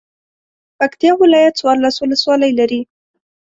پکتیا ولایت څوارلس ولسوالۍ لري.